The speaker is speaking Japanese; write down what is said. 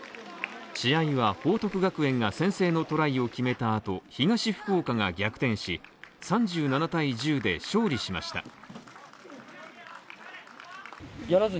試合は報徳学園が先制のトライを決めたあと東福岡が逆転し、３７−１０で勝利しました。